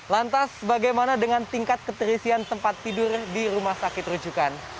lantas bagaimana dengan tingkat keterisian tempat tidur di rumah sakit rujukan